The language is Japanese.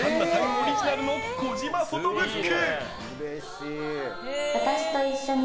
オリジナルの児嶋フォトブック。